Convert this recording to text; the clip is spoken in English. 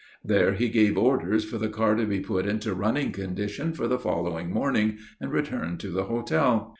There he gave orders for the car to be put into running condition for the following morning, and returned to the hotel.